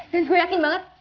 dan gue yakin banget